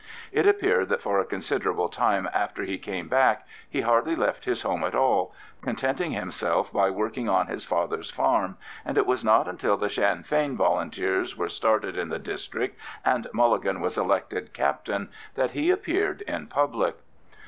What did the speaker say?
It appeared that for a considerable time after he came back he hardly left his home at all, contenting himself by working on his father's farm, and it was not until the Sinn Fein Volunteers were started in the district and Mulligan was elected captain that he appeared in public.